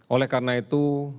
oleh karena itu